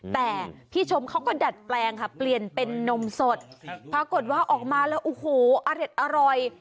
แต่พี่ชมเขาก็ดัดแปลงค่ะเปลี่ยนเป็นนมสดปรากฏว่าออกมาแล้วโอ้โหอร่อย